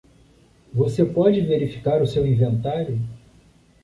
Você pode verificar o seu inventário?